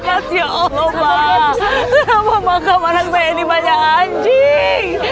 kenapa pak kamanan menyayangi banyak anjing